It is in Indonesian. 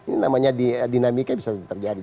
ini namanya dinamika bisa terjadi